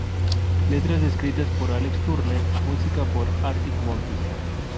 Letras escritas por Alex Turner, música por Arctic Monkeys.